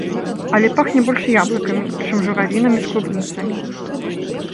Але пахне больш яблыкамі, чым журавінамі з клубніцамі.